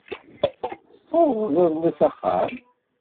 Tessawḍeḍ iḍelli s axxam?